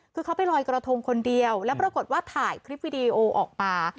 คือเขาไปลอยกระทงคนเดียวแล้วปรากฏว่าถ่ายคลิปวิดีโอออกมา